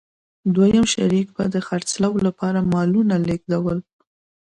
دویم شریک به د خرڅلاو لپاره مالونه لېږدول.